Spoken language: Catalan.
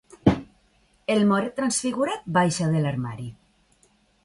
El moret transfigurat baixa de l'armari.